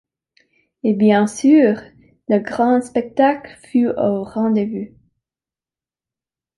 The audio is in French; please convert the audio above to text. Et bien sûr, le grand spectacle fut au rendez-vous.